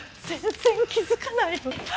全然気づかないよ！